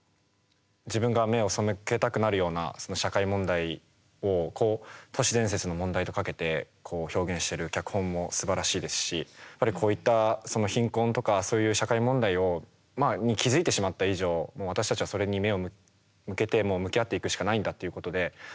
自分が目を背けたくなるような社会問題を都市伝説の問題とかけて表現してる脚本もすばらしいですしこういった貧困とかそういう社会問題に気付いてしまった以上私たちはそれに目を向けて向き合っていくしかないんだということでやっぱりそういう伝えたいことがはっきりしている上で